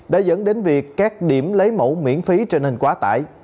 đã dẫn đến việc các điểm lấy mẫu miễn phí trên hình quá tải